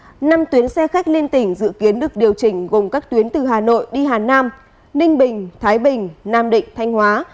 năm tuyến xe khách liên tỉnh dự kiến được điều chỉnh gồm các tuyến từ hà nội đi hà nam ninh bình thái bình nam định thanh hóa